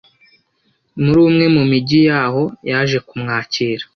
muri umwe mu migi yaho yaje ku mwakira